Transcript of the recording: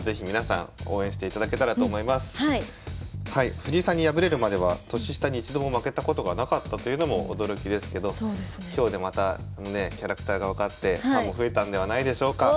藤井さんに敗れるまでは年下に一度も負けたことがなかったというのも驚きですけど今日でまたねキャラクターが分かってファンも増えたんではないでしょうか。